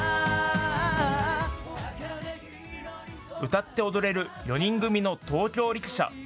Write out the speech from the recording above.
歌って踊れる４人組の東京力車。